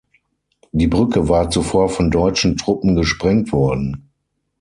Die Brücke war zuvor von deutschen Truppen gesprengt worden.